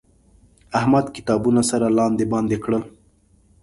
احمد کتابونه سره لاندې باندې کړل.